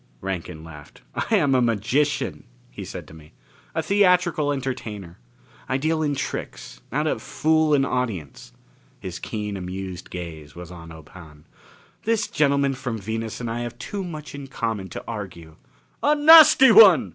Rankin laughed. "I am a magician," he said to me. "A theatrical entertainer. I deal in tricks how to fool an audience " His keen, amused gaze was on Ob Hahn. "This gentleman from Venus and I have too much in common to argue." "A nasty one!"